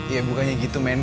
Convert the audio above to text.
ya bukannya gitu men